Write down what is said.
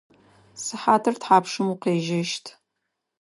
Сыхьатыр тхьапшым укъежьэщт?